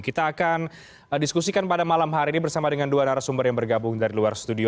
kita akan diskusikan pada malam hari ini bersama dengan dua narasumber yang bergabung dari luar studio